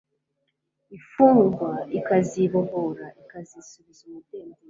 imfungwa ikazibohora ikazisubiza umudendezo